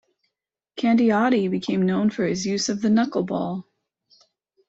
Candiotti became known for his use of the knuckleball.